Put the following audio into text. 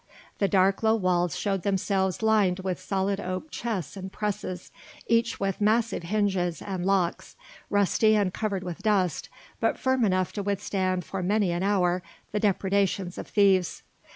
The dark low walls showed themselves lined with solid oak chests and presses, each with massive hinges and locks, rusty and covered with dust, but firm enough to withstand for many an hour the depredations of thieves.